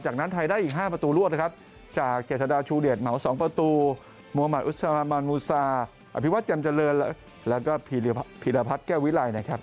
จากนั้นไทยได้อีก๕ประตูรวดนะครับจากเจษฎาชูเดชเหมา๒ประตูมุมัติอุสมามันมูซาอภิวัตรจำเจริญแล้วก็พีรพัฒน์แก้ววิไลนะครับ